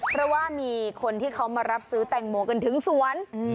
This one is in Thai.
เพราะว่ามีคนที่เขามารับซื้อแตงโมกันถึงสวน